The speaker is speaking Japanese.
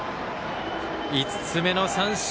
５つ目の三振。